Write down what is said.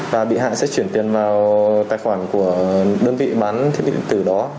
và bị hại sẽ chuyển tiền vào tài khoản của đơn vị bán thiết bị điện tử đó